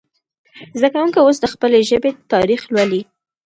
زده کوونکي اوس د خپلې ژبې تاریخ لولي.